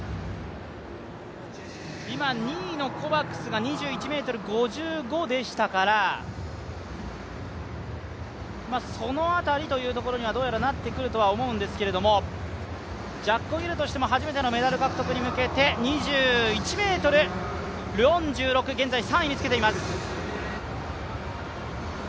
今２位のコバクスが２１ｍ５５でしたから、その辺りというところには、どうやらなってくるとは思うんですが、ジャッコ・ギルとしても初めてのメダル獲得に向けて、２１ｍ４６、現在３位につけています。